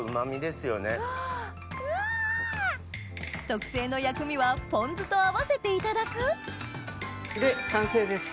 特製の薬味はポン酢と合わせていただく完成です。